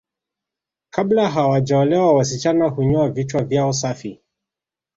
Kabla hawajaolewa wasichana hunyoa vichwa vyao safi